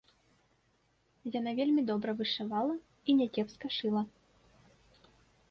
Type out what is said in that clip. Яна вельмі добра вышывала і някепска шыла.